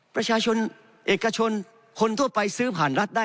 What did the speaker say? ประชาชนเอกชนคนทั่วไปซื้อผ่านรัฐได้